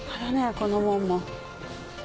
この門も。